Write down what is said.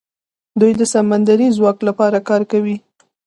دوی د سمندري ځواک لپاره کار کوي.